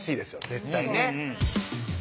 絶対ね